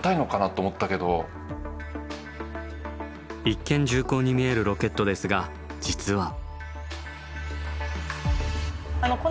一見重厚に見えるロケットですが実は。